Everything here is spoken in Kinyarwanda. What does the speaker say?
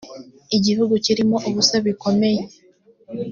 igihugu kirimo ubusa bikomeye.